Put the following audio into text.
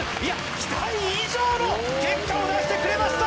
期待以上の結果を出してくれました